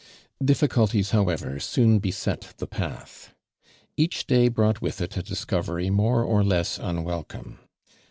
"' Difficulties liowevor soon beset the patli. Kuch day brought with it a tliscoveiy moru or less unwelcome.